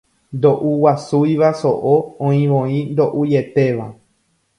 Ndoʼuguasúiva soʼo oĩvoi ndoʼuietéva.